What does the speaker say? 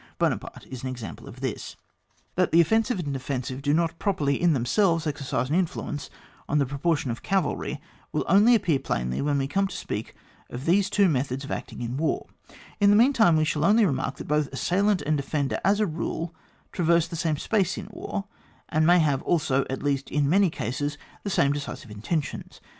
Buonaparte is an example of this. That the offensive and defensive do not properly in themselves exercise an influence on the proportion of cavalry will only appear plainly when we come to 8x>eak of these two methods of acting in war ; in the meantime, we shall only remark that both assailant and defender as a rule traverse the same spaces in war, and may have also, at least in many cases, the same decisive intentions.